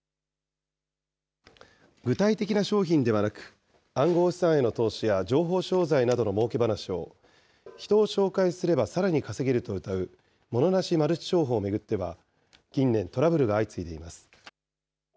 具体的な商品ではなく暗号資産への投資や、情報商材などのもうけ話を、人を紹介すればさらに稼げるとうたうモノなしマルチ商法を巡っては、近年、トラブルが相次いでいます。